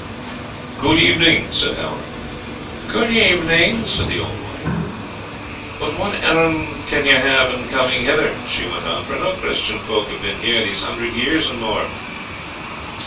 "Good evening," said Halvor. "Good evening," said the old wife. "But what errand can you have in coming hither?" she went on, "for no Christian folk have been here these hundred years and more."